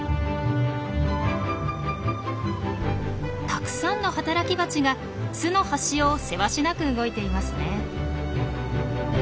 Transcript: たくさんの働きバチが巣の端をせわしなく動いていますね。